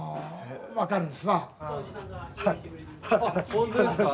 本当ですか？